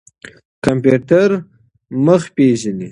کمپيوټر مخ پېژني.